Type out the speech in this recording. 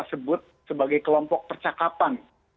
sebut sebagai kelompok percakapan